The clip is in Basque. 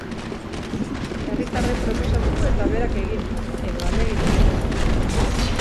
Herritarrek proposatu eta berak egin, edo ahalegindu, behintzat.